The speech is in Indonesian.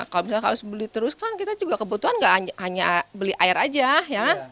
kalau misalnya harus beli terus kan kita juga kebutuhan nggak hanya beli air aja ya